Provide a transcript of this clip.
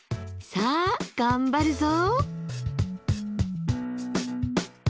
さあ頑張るぞ！